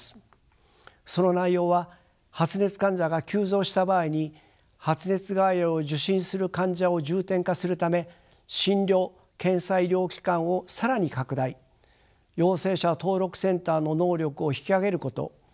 その内容は発熱患者が急増した場合に発熱外来を受診する患者を重点化するため診療・検査医療機関を更に拡大陽性者登録センターの能力を引き上げること。